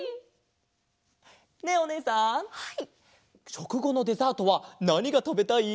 しょくごのデザートはなにがたべたい？